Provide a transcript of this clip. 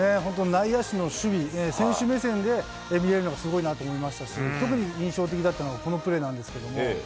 内野手の守備、選手目線で見れるのがすごいなって思いましたし、特に印象的だったのが、このプレーなんですけども。